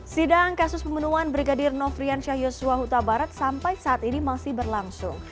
sidang kasus pembunuhan brigadir nofrian syah yosua huta barat sampai saat ini masih berlangsung